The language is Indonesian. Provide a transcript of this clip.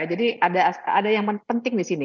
jadi ada yang penting di sini